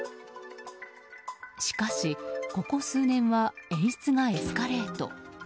しかし、ここ数年は演出がエスカレート。